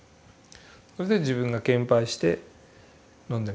それで自分が献杯して飲んで。